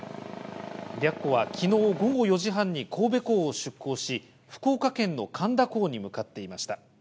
白虎は昨日午後４時半に神戸港を出港し、福岡県の苅田港に向かっていました。